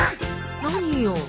何よ？